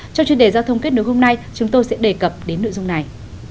trong chuyên đề giao thông kết nối hôm nay chúng tôi sẽ đề cập đến nội dung này